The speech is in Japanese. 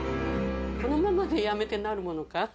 このままでやめてなるものか。